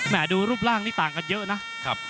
แหมดูรูปร่างนี้ต่างกันเยอะนะครับ